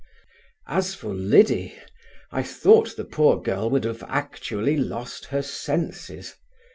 As for Liddy, I thought the poor girl would have actually lost her senses.